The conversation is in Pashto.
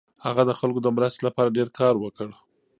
هغه د خلکو د مرستې لپاره ډېر کار وکړ.